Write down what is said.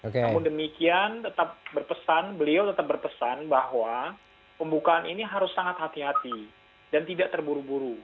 namun demikian tetap berpesan beliau tetap berpesan bahwa pembukaan ini harus sangat hati hati dan tidak terburu buru